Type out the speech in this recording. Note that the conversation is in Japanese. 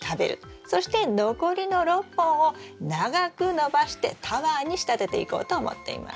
そして残りの６本を長く伸ばしてタワーに仕立てていこうと思っています。